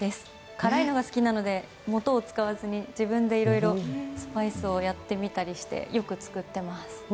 辛いのが好きなので素を使わずに自分でいろいろスパイスをやってみたりしてよく作っています。